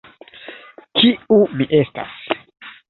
Kiu mi estas?